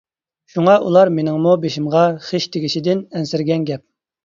شۇڭا ئۇلار مېنىڭمۇ بېشىمغا خىش تېگىشىدىن ئەنسىرىگەن گەپ.